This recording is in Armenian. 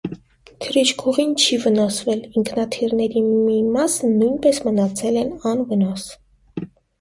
Թռիչքուղին չի վնասվել, ինքնաթիռների մի մասը նույնպես մնացել են անվնաս։